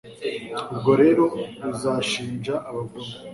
ubwo rero, uzashinja abagome